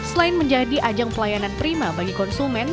selain menjadi ajang pelayanan prima bagi konsumen